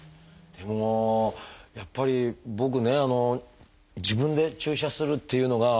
でもやっぱり僕ね自分で注射するっていうのが。